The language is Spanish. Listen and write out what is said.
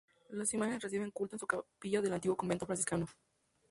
Las imágenes reciben culto en su capilla del antiguo convento franciscano.